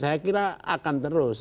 saya kira akan terus